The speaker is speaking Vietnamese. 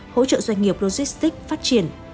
hỗ trợ doanh nghiệp logistics